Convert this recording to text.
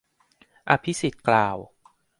อภิสิทธิ์กล่าว